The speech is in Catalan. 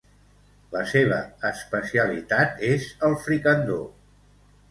La seva especialitat és el fricandó.